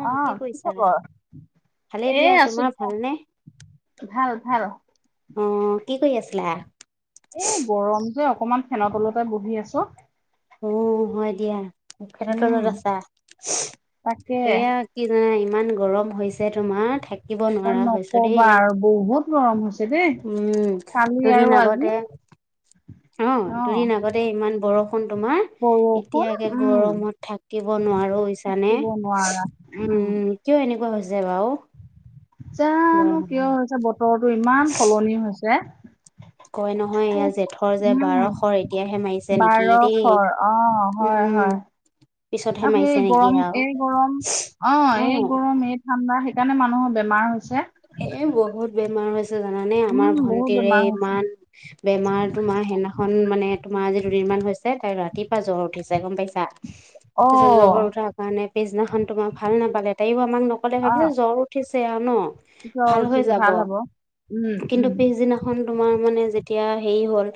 অ' কি কৰিছা? ভালেই এ দিয়া। আছো তোমাৰ দিয়া ভালনে? ভাল ভাল। অ' কি কৰি আছিলা? এই গৰম যে, অকমান ফেনৰ তলতে বহি আছো। উম হয় দিয়া। ফেনৰ উম। তলত আছা? এয়া কি জানা ইন ত নোৱাৰা হৈছো দেই নকবা আৰু বহুত গৰম হৈছে দেই। উম কালি দুদিন আৰু আগতে আজি। অ' দুদিন আগতে ইমান বৰষুণ তোমাৰ। এতিয়া বৰষুণ একে উম গৰমত থাকিব নোৱা নোৱাৰো হৈছানে। থাকিব নোৱাৰা। উম, কিয় এনেকুৱা হৈছে বাৰু? বা জানো? কিয় হৈছে, বতৰটো ইমান সলনি হৈছে। কয় নহয় এয়া জেঠৰ যে উম, বাৰশৰ এতিয়াহে মাৰিছে নেকি দেই বাৰশৰ। অ, উম 'হয়, উম হয়। পিছতহে আ মাৰিছে সেই নেকি গৰম, আৰু এই গৰম অ এই গৰম এই ঠাণ্ডা সেই সেইকাৰণে মানুহৰ বেমাৰ হৈছে। এ বহুত বেমাৰ হৈছে। জানানে আমাৰ উম, বহুত ভন্টিৰে বেমাৰ হৈছে। ইমান বেমাৰ। তোমাৰ সেইদিনাখন মানে তোমাৰ আজি দুদিন হৈছে তাইৰ ৰাতি জ্বৰ উঠিছে, গম পাইছা? তাপিছত অ', জ্বৰ উঠাৰ কাৰণে পিছদিনাখন তোমাৰ ভাল নাপালে, তাইও আমাক নকলে। আ, ভাবিছে জ্বৰ উঠিছে আৰু ন। জ্বৰ ভাল হৈ উঠিছে যাব। ভাল হ'ব। উম, কিন্তু উম, পিছদিনাখন তোমাৰ মানে যেতিয়া হেৰি হ'ল,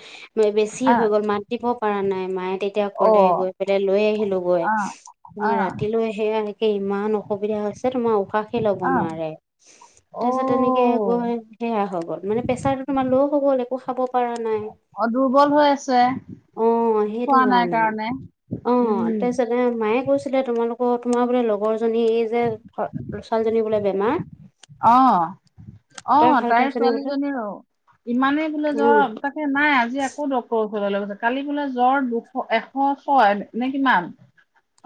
বেছি আ, হৈ গ'ল মাত দিব পৰা নাই। মায়ে তেতিয়া কলে। অ', গৈ পেলাই লৈ আহিলো গৈ। আ, আ, তোমাৰ ৰাতিলৈ সে ইমান অ অসুবিধা হৈছে। তোমাৰ উশাহে লব আ, নোৱাৰে। তাৰপিছত তেনেকে অ', গৈ সেয়া হৈ গ'ল। মানে প্ৰেছাৰটো তোমাৰ ল' হৈ গল একো খাব পৰা নাই অ দুৰ্বল হৈ আছে। অ খোৱা সেইটো নাই কাৰণে। অ উম, তাৰপিছতে মায়ে কৈছিলে তোমালোক অ তোমাৰ বোলে লগৰ জনী এই যে ছোৱালীজনী বোলে বেমাৰ। অ। অ তই ভাল তাইৰ পাইছানে বোলে ছোৱালীজনীৰো। ইমানেই বোলে উম জ্বৰ তাকে নাই আজি আকৌ ডক্টৰ ছে কালি বোলে জ্বৰ দুশ এশ ছয় নে কিমান।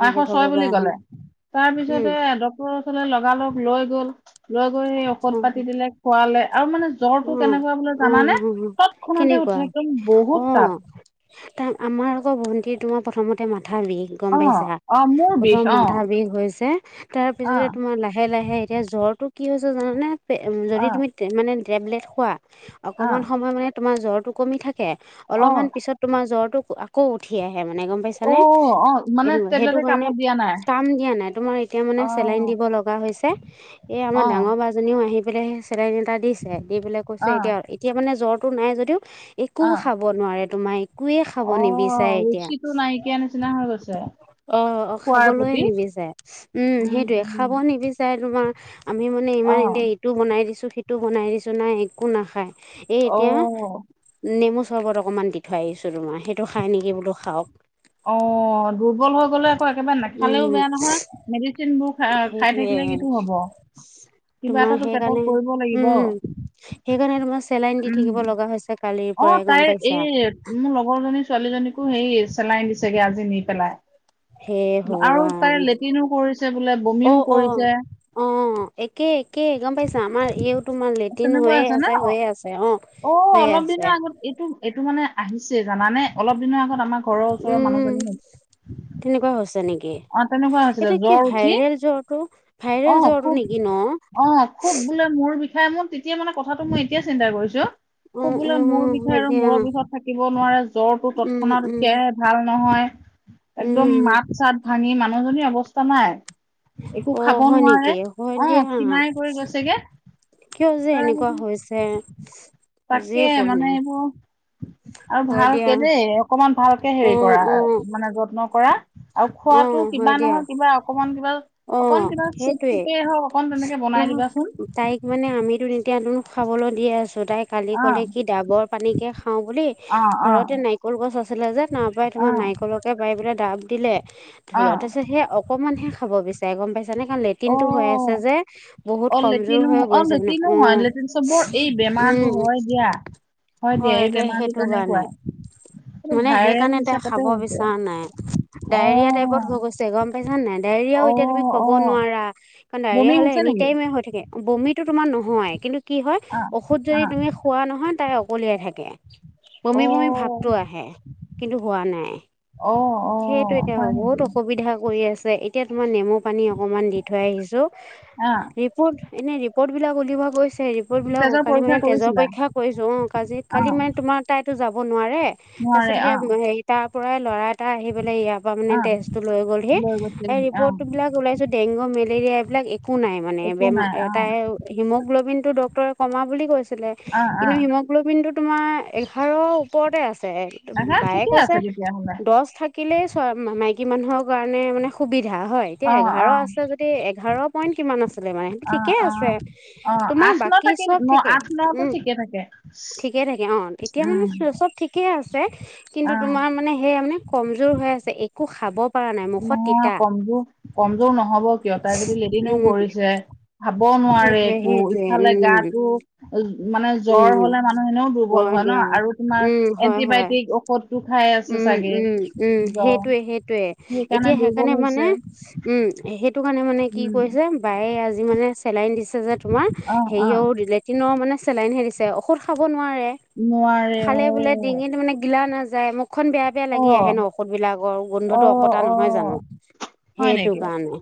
এশ হে ছয় বুলি ভগৱান কলে। উম তাৰপিছতে ডক্টৰৰ ওচৰলৈ লগালগ লৈ গ'ল। লৈ গৈ সেই ঔষধ অ পাতি দিলে, খোৱালে। আৰু মানে জ্বৰটো উম, কেনেকুৱা বোলে জানানে? উম, তৎক্ষণাতে উঠে একদম বহুত তাপ। ত আমাৰ আকৌ ভণ্টি তোমাৰ প্ৰথমতে মাত মাথা বিষ গম অ পাইছা? অ মোৰ বিষ প্ৰথম অ মাথা বিষ হৈছে। তাৰ অ পিছতে তোমাৰ লাহে লাহে এতিয়া জ্বৰটো কি হৈছে জানানে? পে অ যদি তুমি মানে টেবলেট খোৱা, অ অকমান সময় মানে তোমাৰ জ্বৰটো কমি থাকে। অ অলপমান পিছত তোমাৰ জ্বৰটো আকৌ উঠি আহে। মানে গম পাইছা অ নে? অ মানে এইটো সেইটো টেবলেটে কাৰণে কামত দিয়া নাই কাম দিয়া নাই তোমাৰ এতিয়া মানে অ চেলাইন দিব লগা হৈছে। এই আমাৰ অ ডাঙৰ বা জনীও আহি লে সেই চেলেন এটা দিছে, দি পেলাই কৈছে অ এতিয়া এতিয়া মানে জ্বৰটো নাই যদিও একো অ খাব নোৱাৰে। তোমাই একোৱে খাব অ নিবিচাৰে এতিয়া। ৰুচিটো নাইকিয়া নিচিনা হৈ গৈছে অ অ খোৱাৰ খাবলৈয়ে প্ৰতি নিবিচাৰে উম সেইটোৱে খাব নিবিচাৰে তোমাৰ আমি মানে অ ইমান এতিয়া ইটো বনাই দিছোঁ সিটো বনাই দিছোঁ নাই একো নাখায় এই এতিয়া অ নেমু চৰ্বত অকণমান দি থৈ আহিছো তোমাৰ সেইটো খাই নেকি বোলো খাওক অ দুৰ্বল হৈ গ'লে আকৌ একেবাৰে নাখালেও উম বেয়া নহয় মেডিচিনবোৰ খ খাই সেইটোৱে থাকিলে কিটো হ'ব কিবা তোমাৰ এটাতো সেইকাৰণে পেটত পৰিব লাগিব উম সেইকাৰণে তোমাৰ চেলাইন দি থাকিব লগা হৈছে কাৰ অ তাইৰ এই মোৰ লগৰজনী ছোৱালীজনীকো সেই চেলাই দিছে চাগে আজি নি হে পেলাই আৰু ভগৱান তাই লেট্ৰিনো কৰিছে বোলে অ বমিও অ কৰিছে অ একে একে গম পাইছা আমাৰ এইও তোমাৰ লেট্ৰিন তেনেকুৱা হৈয়ে নে? আছে অ' হৈয়ে আছে অ অ হৈয়ে অলপ আছে দিনৰ আগত এইটো এইটো মানে আহিছে জানানে অলপ দিনৰ আগত আমাৰ ঘৰৰ ওচৰৰ উম মানুহজনী তেনেকুৱা হৈছে নেকি অ তেনেকুৱা হৈছিলে এইটো কি জ্বৰ উঠি ভাইৰেল জ্বৰটো ভাইৰেল আহ জ্বৰটো নেকি ন খুব অ খুব বোলে মোৰ বিষয় মোৰ তেতিয়া মানে কথাটো মই এতিয়া চিন্তা কৰিছো অ অ কবলৈ মোৰ বিষায় হয় আৰু দিয়া মূৰৰ বিষয়ৰত থাকিব নোৱাৰে জ্বৰটো উম তৎক্ষণাত উম উকিয় আহে ভাল নহয় একদম উম মাত চাত ভাঙি মানুহজনীৰ অৱস্থা নাই একো অ খাব হয় নেকি নোৱাৰে হয় অ দিয়া খিনাই কৰি গৈছে গে কিয় যে এনেকুৱা তাৰপিছত হৈছে বুজিয়ে তাকে পোৱা নাই মানে এইবোৰ আৰু হয় দিয়া ভালকে দেই অকমান ভালকে অ হেৰি কৰা অ মানে যত্ন কৰা আৰু অ খোৱাতো কিবা হয় দিয়া নহয় কিবা অকমান কিবা অ অকন কিবা চুপ সেইটোৱে চুপেই হওঁক অকন তেনেকে বনাই নহও দিবাচোন তাইক মানে আমিতো নিজ এতিয়ানো খাবলৈ দি আছো তাই কালি কলে অ', কি ডাবৰ পানীকে খাওঁ বুলি অ', অ', ঘৰতে নাৰিকল গছ আছিলে যে তাৰ পৰাই অ', নাৰিকলকে পাৰি পেলায় দাব দিলে ধৰি অ'। লোৱা তাৰপিছত সে অকনমান হে খাব বিচাৰে গম পাইছা যেনেকা লেট্ৰিন অ', টো হৈ আছে যে বহুত অ', কমজোৰ লেট্ৰিনো হৈ অ', গৈছে মানে লেট্ৰিনো অ হয়, লেট্ৰিন চবৰ এই বেমাৰটো উম হয় দিয়া হয় দিয়া এই কে বেমাৰটো সেইটো কাৰণে কেনেকুৱাই মানে সেইকাৰণে তাই খাব বিচৰা নাই ডায়েৰিয়া টাইপত হৈ অ', গৈছে গম পাইছা নাই ডায়েৰি য়াও এতিয়া তুমি অ', ক'ব অ', নোৱাৰা কাৰণ বমি ডায়েৰিয়া হলে হৈছে এনি নেকি? টাইমে হৈ থাকে বমিটো তোমাৰ নহয় কিন্ত কি হয় অ', ঔষধ যদি অ', তুমি খোৱা নহয় তাই ওকলিয়াই থাকে বমি বমি অ', ভাৱটো আহে কিন্তু হোৱা নাই অ', সেইটো অ', এতিয়া হয় বহুত নেকি? অসুবিধা কৰি আছে এতিয়া তোমাৰ নেমু পানী অকমান দি থৈ আহিছো অ', ৰিপৰ্ট এনে ৰিপৰ্ট বিলাক উলিওৱা হৈছে ৰিপৰ্ট বিলাক অ তেজৰ কালি মানে পৰীক্ষা তেজৰ কৰিছিলা? পৰীক্ষা কৰিছো অ কাজি কালি অ', মানে তোমাৰ তাইতো যাবই নোৱাৰে তাৰ নোৱাৰে পিছত অ', সেই তাৰ পৰাই ল'ৰা এটা আহি পেলাই ইয়াৰ পৰা মানে অ', তেজটো লৈ গ'ল সি লৈ এই গৈছিলহি অ', ৰিপৰ্টবিলাক ওলাইছে ডেংগু মে মেলেৰিয়া এইবিলাক একো নাই মানে একো বেমাৰ নাই অ', এটাই হিমগ্লবিন টো ডক্তৰে কমা বুলি কৈছে অ', কিন্তু অ', হিমগ্ল'বিন টো তোমাৰ এঘাৰ ওপৰতে আছে আহা বায়ে ঠিকে কৈছে আছে তেতিয়াহ'লে। থাকিলে ছয় মাইকি মানুহৰ কাৰণে মানে সুবিধা এতিয়া হয় এতিয়া অ', এঘাৰ অ'। আছে যদি এঘাৰ পইন কিমান আছে মানে সেইটো অ ঠিকে অ আছে অ তোমাৰ আঠ ন বাকী থাকে চব ন ঠিকে আঠ নতো ঠিকে থাকে অ এতিয়া মানে উম চব ঠিকে আছে কিন্তু অ তোমাৰ মানে এতিয়া মানে কমজোৰ হৈ আছে একো খাব পৰা নাই মুখত নহয় তিতা কমজোৰ কমজোৰ নহব কিয় তাই যদি লেটিনো উম কৰিছে ভাত খাব নোৱাৰে সেইটোৱে একো সেইটোৱে ইফালে উম গাটো মানে উম জ্বৰ হলে মানুহ এনেও দুৰ্বল হয় ন আৰু তোমাৰ উম হয় হয় এন্টিবায়টিক ঔষধটো খাই আছে উম চাগে উম উম জ্বৰ সেইটোয়ে সেইটোয়ে এতিয়া দুৰ্বল সেইকাৰণে হৈছে মানে উম সেইটো কাৰণে মানে কি উম কৰিছে বায়ে আজি মানে চেলাইন দিছে যে তোমাৰ অ অ হেৰিও লেটিনৰ মানে চেলাইন হে দিছে ঔষধ খাব নোৱাৰে নোৱাৰে অ খালে বোলে ডিঙিত ত মানে গিলা না মূখখন বেয়া বেয়া অ লাগি আহে ন ঔষধ বিলাকৰ অ গোন্ধটো অকতা অ নহয় জানো হয় সেইটো নেকি কাৰণে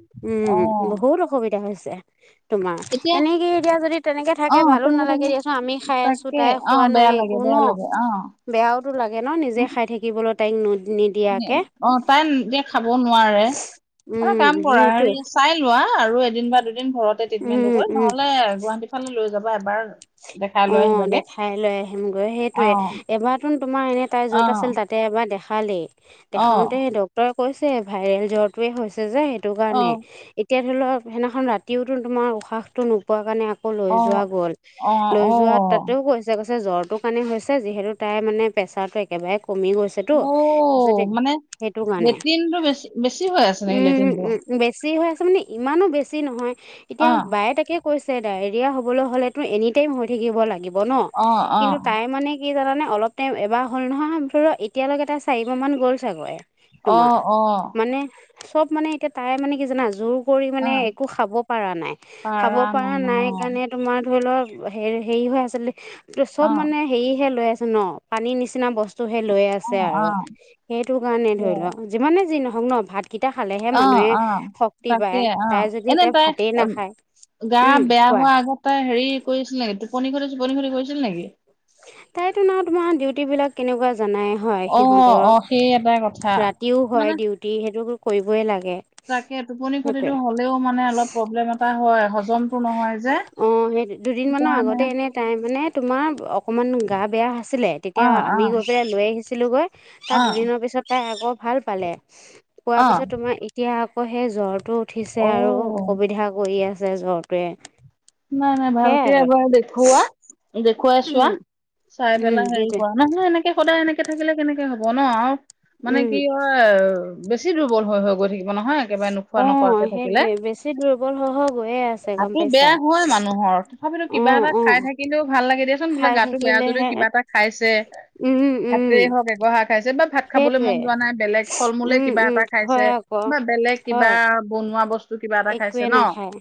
অ উম বহুত অসুবিধা হৈছে তোমাৰ এতিয়া এনেকে এতিয়া যদি তেনেকে অ থাকে ভালো তেনেকে নালাগে থাকিলে দিয়াচোন আমি খাই আছো তাই খোৱা নাই একো তিতা ন লাগে অঁ বেয়াওতো লাগে ন নিজে খাই থাকিবলৈ তাইক নোদ অঁ এতিয়া খাব নোৱাৰে এটা উম কাম কৰা সেইটোৱে হেৰি চাই লোৱা আৰু এদিন বা দুদিন ঘৰতে ট্ৰিটমেণ্টটো উম কৰি উম নহলে গুৱাহাটী ফালে লৈ যাবা এবাৰ দেখাই লৈ আহিবি অঁ দেখাই লৈ আহিমগৈ সেইটোয়ে এবাৰতোন তোমাৰ এনে তাই অ য'ত আছিল তাতে এবাৰ দেখা খালেই অ দেখাওঁতে ডক্টৰে কৈছে ভাইৰেল জ্বৰটোৱে হৈছে যে সেইটো অ কাৰণে তেতিয়া ধৰি লওঁক সেইদিনাখন ৰাতিওতো তোমাৰ উশাহটো নোপোৱা কাৰণে আকৌ লৈ অ যোৱা গ'ল অ লৈ অ যোৱা তাতেও কৈছে কৈছে জ্বৰটোৰ কাৰণে হৈছে যিহেতু তাই মানে প্ৰেছাৰটো একেবাৰে কমি গৈছেতো অ কছে দে মানে সেইটো কাৰণে লেট্ৰিনটো বেছি বেছি হৈ আছে নেকি উম লেট্ৰিনটো উম বেছি হৈআছে মানে ইমানো বেছি নহয় অ এতিয়া বায়ে তাকে কৈছে ডায়ৰিয়া হ'বলে হ'লে তো এনে টাইম হৈ থাকিব লাগিব ন অ অ কিন্তু তাই মানে কি জানানে অলপটাইম এবাৰ হ'ল নহয় মুঠতে এতিয়ালৈকে তাই চাৰিবাহ মান গ'ল চাগৈে অ তোমাৰ অ মানে চব মানে এতিয়া তাই মানে কি জানা জোৰ কৰি অ মানে একো খাব পৰা নাই খাব পৰা নাই কাৰণে তোমাৰ ধৰি লওঁক। হে হেৰি হৈ আছিল চব অ মানে হেৰিহে লৈ আছে ন পানীৰ নিচিনা বস্তু হে লৈ অ আছে আৰু সেইটো কাৰণে অ অ ধৰি লও যিমানে যি নহওক ন ভাত কেইটা খালেহে অ মানুহে অ শক্তি তাকে পায় অ তাই যদি এনে এতিয়া তাই ভাতেই এ, নাখায় গা উম বেয়া কোৱা হোৱাৰ আগতে তাই হেৰি কৰিছিল নেকি টোপনি খতি টোপনি খতি কৰিছিল নেকি? তাইতো ন তোমাৰ ডিউটি বিলাক কেনেকুৱা জানাই হয় অ অ সেই এটাই কথা। সিহঁতৰ ৰাতিও হয় মানে ডিউটি সেইটো কৰিবই লাগে তাকে টোপনি সেইটোৱে খতিটো হ'লেও মানে অলপ প্ৰব্লেম এটা হয় হজমতটো নহয় যে অঁ সেই দুদিন মানৰ সেইকাৰণে আগতে এনেই তাই মানে তোমাৰ অকণমান গা বেয়া আছিলে অ তেতিয়া অ আমি গৈ পেলাই লৈ আহিছিলোঁগৈ অ তাৰ দুদিনৰ পিছত তাই আকৌ ভাল পালে পোৱাৰ অ পিছত তোমাৰ ইতিহাস আকৌ সেই জ্বৰটো উঠিছে অ আৰু অসুবিধা কৰি আছে জ্বৰটোৱে নাই নাই সেয়াই ভালকে আৰু এবাৰ দেখুওৱা দেখুৱাই উম চোৱা চাই উম, পেলাই হেৰি সেইটোৱে কৰা নহয় এনেকে সদায় এনেকে থাকিলে কেনেকে হব ন আৰু মানে উম, কি হয় বেছি দুৰ্বল হৈ হৈ গৈ থাক নহয় একেবাৰে নোখোৱা নকোৱাকে অ', থাকিলে। সেইটোৱে বেছি দুৰ্বল হৈ হৈ গৈয়ে আছে গম গাতো পাইছা। বেয়া মানুহৰ তথাপিতো কিবা অ', এটা খাই অ', থাকিলেও ভাল লাগে দে। বোলে খাই গাটো বেয়া যদিও থাকিলেহে কিবা এটা খাইছে উম, উম, ভাতেই হওক এঘহা খাইছে। বা ভাত খাবলৈ সেইটোৱে মন যোৱা নাই বেলেগ ফল মূলে উম, কিবা উম, এটা খাইছে হয় আকৌ বা বেলেগ কিবা হয় বনোৱা বস্তু কিবা এটা খাইছে একোৱে ন নাখায়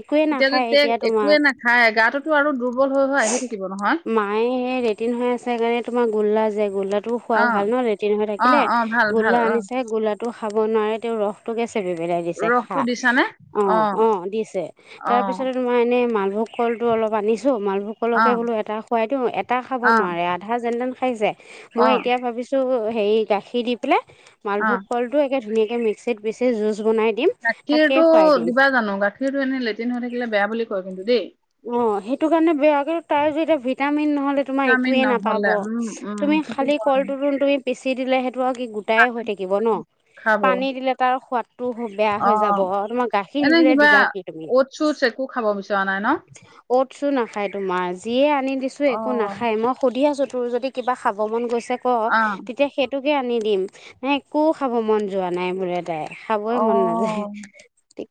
একোৱে এতিয়া নাখায় যে তোমাৰ একোৱে নাখায় গাতো আৰু দুৰ্বল হৈ হৈ আহি থাকিব নহয় মায়ে সেই লেটিন হৈ আছে সেই কাৰণে তোমাৰ গোল্লা যে গোল্লাত টো খোৱা অ ভাল ন লেটিন ন হৈ অ থাকিলে অ ভাল ভাল গোলা অ আনিছে গুলা টো খাব নোৱাৰে তেওঁ ৰস টো গে দিছে ৰসটো খা দিছানে? উম অ', উম দিছে তাৰ অ', পিছতে তোমাৰ এনেই মালভোগ কলটো অলপ আনিছোঁ মালভোগ কলকে অ', বোলো এটা খোৱাই দিওঁ এটা খাব অ', নোৱাৰে আধা জে খাইছে মই অ', এতিয়া ভাবিছোঁ হেৰি গাখীৰ দি পেলাই মালভোগ অ', কলটো একে ধুনীয়াকৈ মিক্সিত পিছে জুচ। বনাই দিম, তাকে খুৱাই গাখীৰতটো দিম। দিবা জানো গাখীৰতটো এনে লেট্ৰিন হৈ থাকিলে বেয়া বুলি কয় কিন্তু দেই। অঁ সেইটো কাৰণে বেয়া তাই ভিটামিন নহলে তোমাৰ ভিটামিন একোৱে নহ'লে নাপাব উম, উম, তুমি। সেইটো খালি হয় কলটো তুমি পিছ। বেচি দিলে সেইটো আৰু কি গোটাই হৈ থাকিব ন খাব পানী দিলে তাৰ সোৱাদ। টো হ বেয়া হৈ যাব অ তোমাক গাখীৰ এনে নিদিলে কিবা দিবা কি তুমি? অ'ট চুটচ একো খাব [unintelligible] ন চো নাখায় তোমাৰ যিয়ে আনি দিছো একো অ', নাখায়, মই সুধি আছো তোৰ যদি কিবা খাব মন গৈছে ক অ', তেতিয়া সেইটোকে আনি দিম মানে একো খাব মন যোৱা নাই বোলে তাই। খাবই মন নাযায় অ',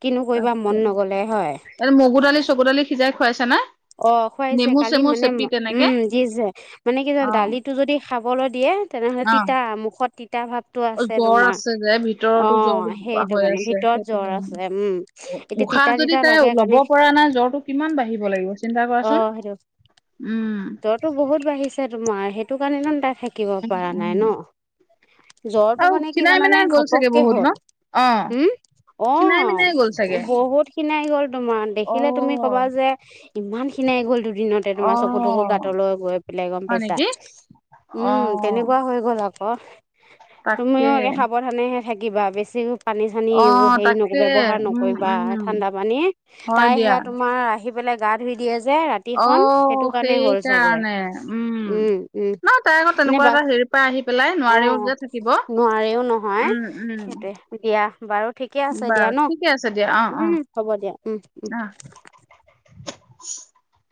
কিনো কৰিবা তাকে মন নগলে হয়। এই মগু দালি চগু দালি সিজাই খুৱাইছা নে? অ' খুৱাইছে নেমু কালি চেমু মানে ম চেপি তেনেকে উম দিছে মানে কি জান অ', দালিটো যদি খাবলৈ দিয়ে তেনেহ'লে অ', তিতা মুখত তিতা ভাৱটো অ', আছে জ্বৰ তোমাৰ। আছে যে ভিতৰতো জ্বৰ অ' সেইটো হৈ কাৰণে আছে ভিতৰ ৰত সেইটো জ্বৰ কাৰণে। আছে, উম। এতিয়া উশাহ তিতা যদি তিতা তাই লাগে ল'ব কাৰণে পৰা নাই জ্বৰটো কিমান বাঢ়িব লাগিব চিন্তা অ' কৰাচোন। সেইটো। উম জ্বৰতো বহুত বাঢ়িছ তোমা তোমাৰ সেইটো কাৰণে ন তাই থাকিব উম, পৰা উম। নাই ন। জ্বৰটো আৰু মানে কি খিনাই জানানে মিনাই গ'ল চাগে ঘপককে বহুত ন? হ'ল। অ' উম, খিনাই মিনাই গ'ল চাগে অ' বহুত খিনাই গ'ল। তোমাৰ দেখিলে তুমি ক'বা অ' যে ইমান খিনাই গ'ল দু দিনতে তোমাৰ চকু তকু অ' গাঁতলৈ গৈ পেলাই গম হয় পাইছা। নেকি? উম, অ' তেনেকুৱা হৈ গ'ল আক অ তাকে তুমিও একে সাৱধানেহে থাকিবা বেছিও পানী চানী এইবোৰ অ' হেৰি ন তাকে ব্যৱহাৰ উম নকৰিবা উম ঠাণ্ডা পানী হয় তাই দিয়া সেয়া তোমাৰ আহি পেলাই গা ধুই দিয়ে যে ৰাতিখন সেটো অ' কাৰণে হ'ল চাগৈ, সেইকাৰণে উম উম। নহয় তাই আকৌ এনে তেনেকুৱা এটা বাক হেৰিৰ পৰা আহি পেলাই অ' যে থাকিব নোৱাৰেও নহয় উম উম। সেইটোৱে, দিয়া। বাৰু ঠিকে আছে দিয়া বাৰু ন ঠিকে আছে দিয়া, উম হ'ব দিয়া উম উম অ' অ' অ'। [unintelligible]